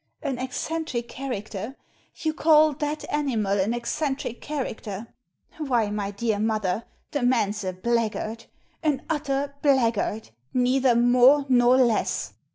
"An eccentric character! You call that animal an eccentric character ! Why, my dear mother, the man's a blackguard — an utter blackguard, neither more nor less."